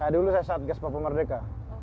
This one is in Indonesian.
dulu saya satgas papua merdeka